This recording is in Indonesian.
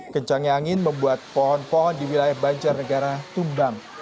kencangnya angin membuat pohon pohon di wilayah banjarnegara tumbang